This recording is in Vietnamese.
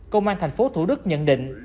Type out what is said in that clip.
công an thành phố thủ đức nhận định